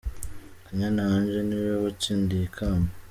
Kanyana Angel ni we watsindiye ikamba.